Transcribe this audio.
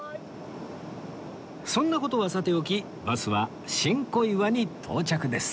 そんな事はさておきバスは新小岩に到着です